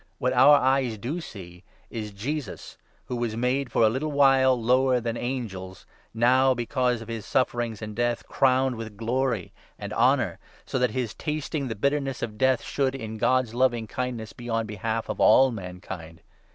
What our eyes 9 do see is Jesus, who was made for a while lower than angels, now, because of his sufferings and death, crowned with glory and honour ; so that his tasting the bitterness of death should, in God's loving kindness, be on behalf of all mankind.